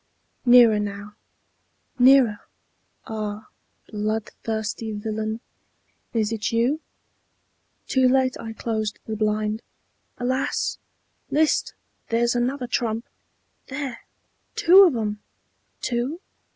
Nearer now, nearer Ah! bloodthirsty villain, Is 't you? Too late I closed the blind! Alas! List! there's another trump! There, two of 'em! Two?